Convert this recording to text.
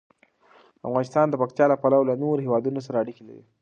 افغانستان د پکتیکا له پلوه له نورو هېوادونو سره اړیکې لري.